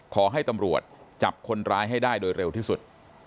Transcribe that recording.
ขอให้ตำรวจจับคนร้ายให้ได้โดยเร็วที่สุด